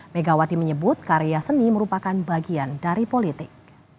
megawati menyebut karya seni merupakan bagian dari politik